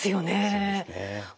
そうですね。